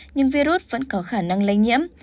nhưng virus vẫn có khả năng lây nhiễm